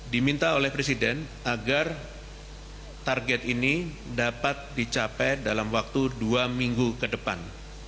diminta oleh presiden agar target ini dapat dicapai dalam waktu dua minggu ke depan